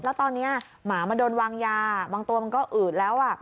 แล้วตอนนี้หมามันโดนวางยาบางตัวมันก็อืดแล้ว